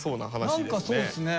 何かそうですね。